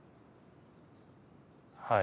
はい。